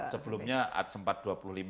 sebelumnya sempat dua puluh lima